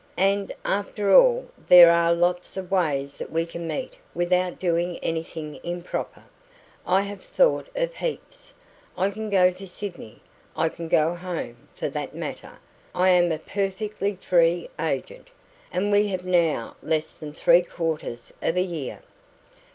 "And, after all, there are lots of ways that we can meet without doing anything improper. I have thought of heaps. I can go to Sydney I can go home, for that matter; I am a perfectly free agent. And we have now less than three quarters of a year.